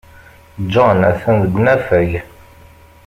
John atan deg unafag.